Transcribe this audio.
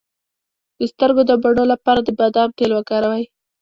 د سترګو د بڼو لپاره د بادام تېل وکاروئ